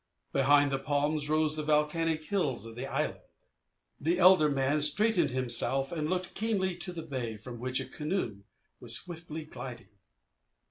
Behind the palms rose the volcanic hills of the island. The elder man straightened himself and looked keenly to the bay from which a canoe was swiftly gliding.